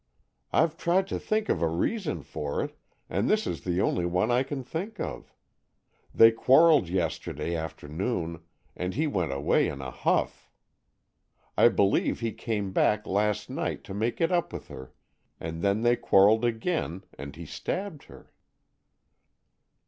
I've tried to think of a reason for it, and this is the only one I can think of. They quarrelled yesterday afternoon, and he went away in a huff. I believe he came back last night to make it up with her, and then they quarrelled again and he stabbed her."